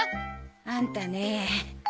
あんたねえ。